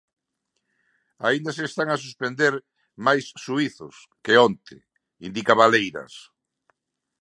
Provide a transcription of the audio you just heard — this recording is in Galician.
Aínda se están a suspender máis xuízos que onte, indica Valeiras.